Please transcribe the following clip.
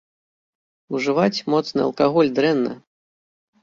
Ужываць моцны алкаголь дрэнна!